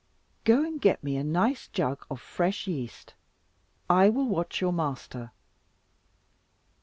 "Go and get me a nice jug of fresh yeast. I will watch your master."